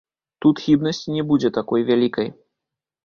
Тут хібнасць не будзе такой вялікай.